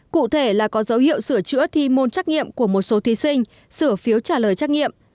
cụ thể là có dấu hiệu sửa chữa thi môn trắc nghiệm của một số thí sinh sửa phiếu trả lời trắc nghiệm